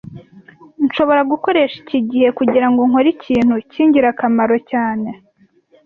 Nshobora gukoresha iki gihe kugirango nkore ikintu cyingirakamaro cyane